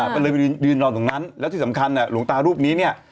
ก็เลยไปยืนนอนตรงนั้นแล้วที่สำคัญเนี่ยหลวงตารูปนี้เนี่ย